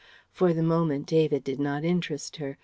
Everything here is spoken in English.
For the moment David did not interest her.